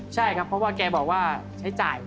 ใช่ครับเพราะว่าแกบอกว่าใช้จ่าย